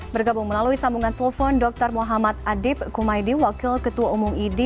bergabung melalui sambungan telepon dr muhammad adib kumaydi wakil ketua umum idi